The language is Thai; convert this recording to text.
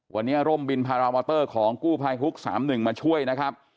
วันนี้ร่มบินพารามอเตอร์ของกู้ภัยฮุก๓๑มาช่วยนะครับ